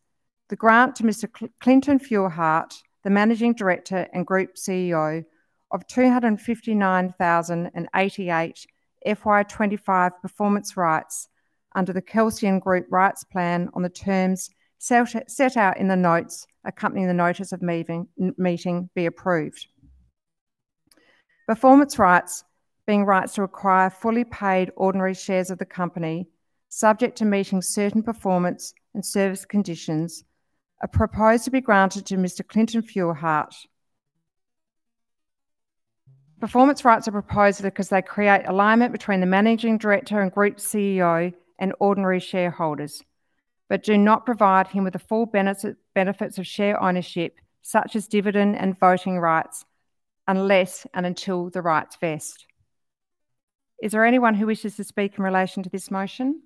the grant to Mr. Clinton Feuerherdt, the Managing Director and Group CEO, of 259,088 FY 25 performance rights under the Kelsian Group Rights Plan on the terms set out in the notes accompanying the notice of meeting be approved. Performance rights, being rights to acquire fully paid ordinary shares of the company, subject to meeting certain performance and service conditions, are proposed to be granted to Mr. Clinton Feuerherdt. Performance rights are proposed because they create alignment between the Managing Director and Group CEO and ordinary shareholders, but do not provide him with the full benefits of share ownership, such as dividend and voting rights, unless and until the rights vest. Is there anyone who wishes to speak in relation to this motion?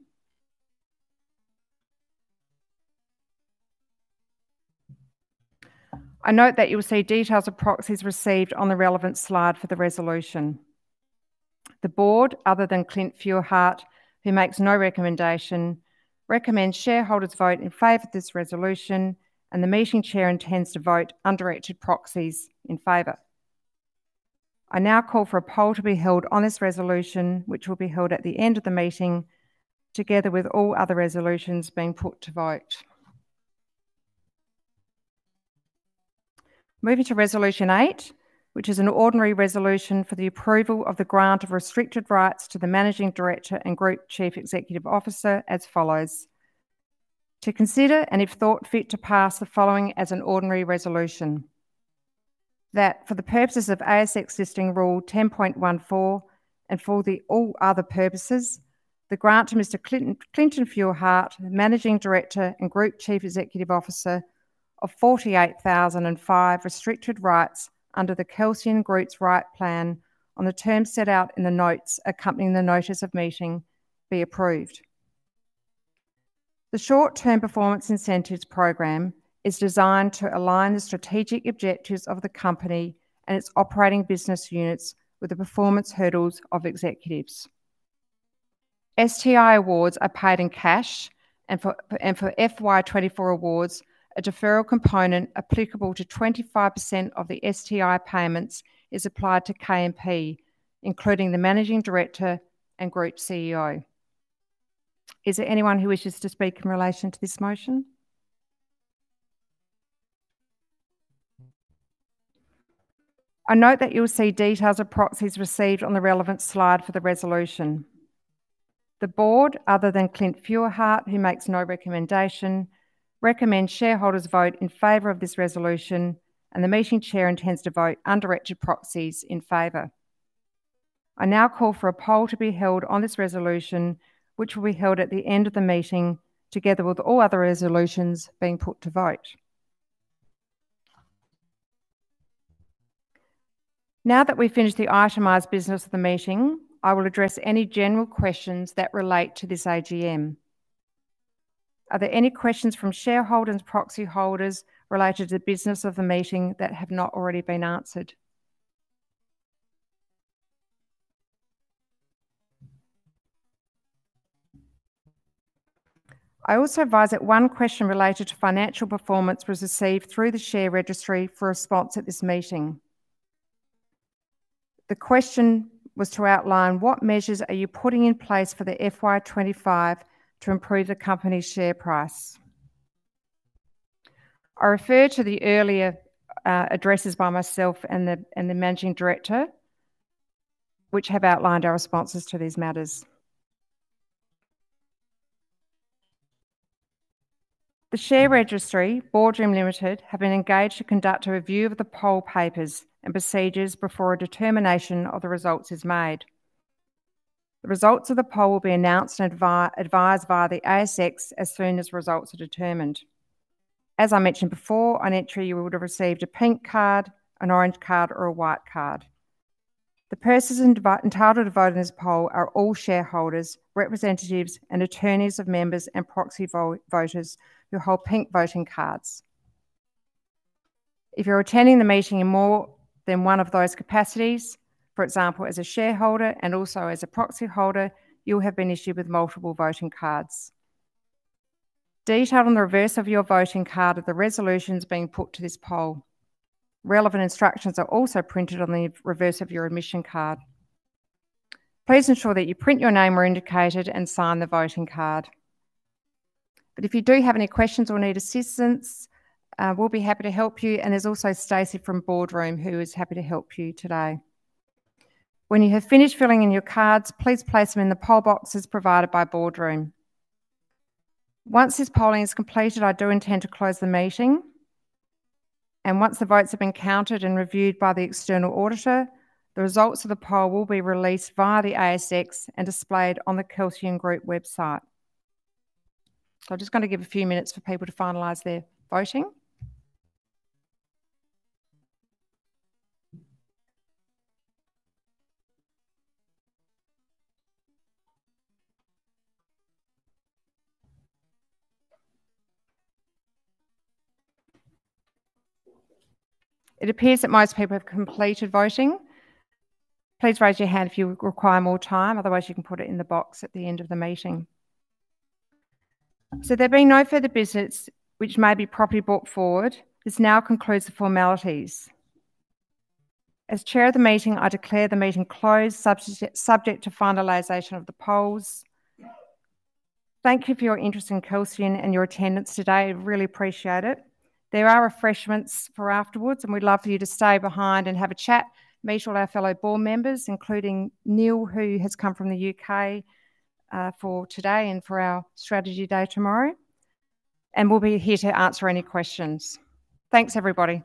I note that you will see details of proxies received on the relevant slide for the resolution. The board, other than Clint Feuerherdt, who makes no recommendation, recommends shareholders vote in favor of this resolution, and the meeting chair intends to vote undirected proxies in favor. I now call for a poll to be held on this resolution, which will be held at the end of the meeting, together with all other resolutions being put to vote. Moving to Resolution eight, which is an ordinary resolution for the approval of the grant of restricted rights to the managing director and group chief executive officer as follows: To consider, and if thought fit, to pass the following as an ordinary resolution, that for the purposes of ASX Listing Rule 10.14, and for all other purposes, the grant to Mr. Clint Feuerherdt, Managing Director and Group Chief Executive Officer, of 48,005 restricted rights under the Kelsian Group's Rights Plan on the terms set out in the notes accompanying the notice of meeting, be approved. The short-term performance incentives program is designed to align the strategic objectives of the company and its operating business units with the performance hurdles of executives. STI awards are paid in cash, and for FY 2024 awards, a deferral component applicable to 25% of the STI payments is applied to KMP, including the Managing Director and Group CEO. Is there anyone who wishes to speak in relation to this motion? I note that you'll see details of proxies received on the relevant slide for the resolution. The board, other than Clint Feuerherdt, who makes no recommendation, recommends shareholders vote in favor of this resolution, and the meeting chair intends to vote undirected proxies in favor. I now call for a poll to be held on this resolution, which will be held at the end of the meeting, together with all other resolutions being put to vote. Now that we've finished the itemized business of the meeting, I will address any general questions that relate to this AGM. Are there any questions from shareholders, proxy holders, related to the business of the meeting that have not already been answered? I also advise that one question related to financial performance was received through the share registry for response at this meeting. The question was to outline, what measures are you putting in place for the FY twenty-five to improve the company's share price? I refer to the earlier addresses by myself and the managing director, which have outlined our responses to these matters. The share registry, Boardroom Limited, have been engaged to conduct a review of the poll papers and procedures before a determination of the results is made. The results of the poll will be announced and advised via the ASX as soon as results are determined. As I mentioned before, on entry, you would have received a pink card, an orange card, or a white card. The persons entitled to vote in this poll are all shareholders, representatives, and attorneys of members and proxy voters who hold pink voting cards. If you're attending the meeting in more than one of those capacities, for example, as a shareholder and also as a proxy holder, you'll have been issued with multiple voting cards. Detailed on the reverse of your voting card are the resolutions being put to this poll. Relevant instructions are also printed on the reverse of your admission card. Please ensure that you print your name where indicated and sign the voting card. But if you do have any questions or need assistance, we'll be happy to help you, and there's also Stacey from Boardroom, who is happy to help you today. When you have finished filling in your cards, please place them in the poll boxes provided by Boardroom. Once this polling is completed, I do intend to close the meeting, and once the votes have been counted and reviewed by the external auditor, the results of the poll will be released via the ASX and displayed on the Kelsian Group website. So I'm just gonna give a few minutes for people to finalize their voting. It appears that most people have completed voting. Please raise your hand if you require more time, otherwise you can put it in the box at the end of the meeting. There being no further business which may be properly brought forward, this now concludes the formalities. As chair of the meeting, I declare the meeting closed, subject to finalization of the polls. Thank you for your interest in Kelsian and your attendance today. Really appreciate it. There are refreshments for afterwards, and we'd love for you to stay behind and have a chat, meet all our fellow board members, including Neil, who has come from the UK for today and for our strategy day tomorrow, and we'll be here to answer any questions. Thanks, everybody.